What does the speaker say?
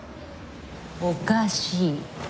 おかしい。